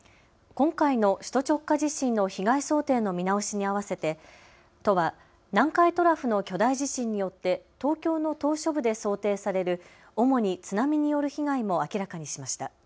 今回の首都直下地震の被害想定の見直しに備えて都は南海トラフの巨大地震によって東京の島しょ部で想定される主に津波による被害も明らかにしました。